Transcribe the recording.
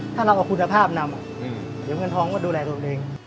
ถ้าเราเอาคุณภาพนำเดี๋ยวเงินทองก็ดูแลตัวเอง